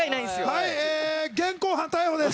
はい現行犯逮捕です。